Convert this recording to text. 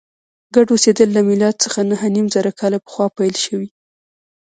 ګډ اوسېدل له میلاد څخه نهه نیم زره کاله پخوا پیل شوي.